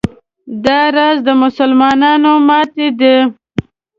دا راز د مسلمانانو ماتې ده.